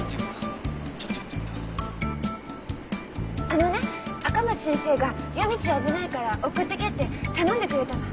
あのね赤松先生が夜道は危ないから送ってけって頼んでくれたの。